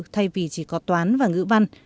thay vì chỉ có toán và ngữ văn